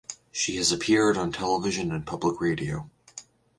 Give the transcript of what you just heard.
She has appeared on television and public radio.